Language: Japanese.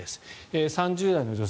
３０代の女性